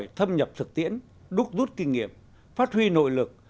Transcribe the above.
thâm nhập thực tiễn đúc rút kinh nghiệm phát huy nội lực